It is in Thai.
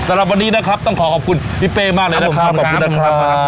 สำหรับวันนี้นะครับต้องขอขอบคุณพี่เป้มากเลยนะครับขอบคุณครับขอบคุณครับ